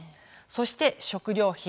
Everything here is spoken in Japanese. そして、食料品。